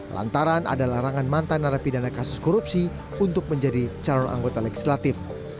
lantaran ada larangan mantan narapidana kasus korupsi untuk menjadi calon anggota legislatif